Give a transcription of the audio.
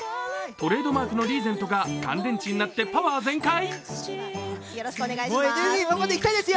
トレードマークのリーゼントが乾電池になってパワー全開！？